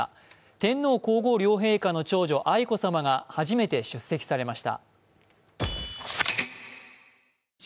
天皇皇后両陛下の長女・愛子さまが初めて出席されました。